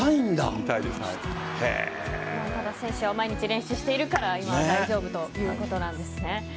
選手は毎日練習しているから大丈夫ということです。